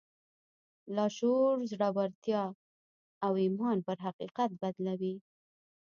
لاشعور زړورتيا او ايمان پر حقيقت بدلوي.